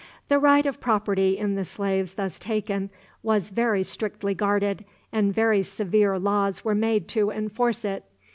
The right of property in the slaves thus taken was very strictly guarded, and very severe laws were made to enforce it.